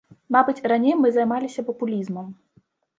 Мабыць, раней мы займаліся папулізмам.